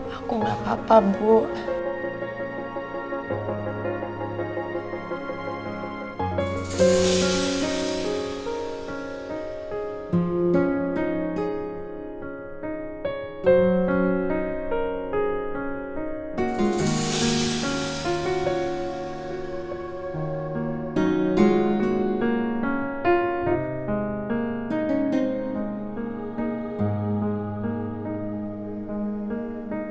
aku gak apa apa bu